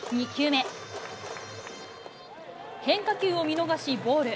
変化球を見逃しボール。